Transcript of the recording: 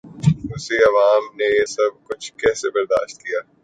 روسی عوام نے یہ سب کچھ کیسے برداشت کیا؟